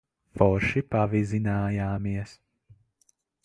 Forši pavizinājāmies.